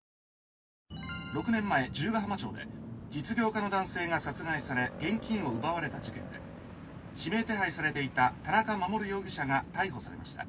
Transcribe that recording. ６年前十ヶ浜町で実業家の男性が殺害され現金を奪われた事件で指名手配されていた田中守容疑者が逮捕されました。